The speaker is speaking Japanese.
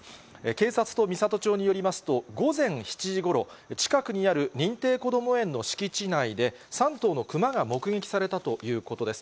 警察と美郷町によりますと、午前７時ごろ、近くにある認定こども園の敷地内で、３頭のクマが目撃されたということです。